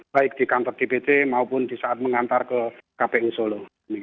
baik di kantor dpt maupun di saat mengantar ke kpu solo